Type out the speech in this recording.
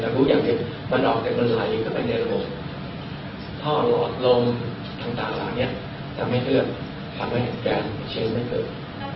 เรารู้อย่างเดียวมันออกแต่มันไหลขึ้นไปในโรคท่องอดลมทั้งต่างหลังเนี่ยทำให้เชื่อมทำให้เห็นแกนเชื่อมให้เกิด